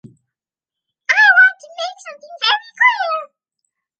I want to make something very clear.